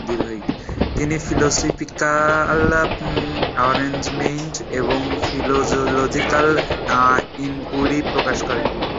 তিনি "philosophical arrangements" এবং "philological inquiry" প্রকাশ করেন।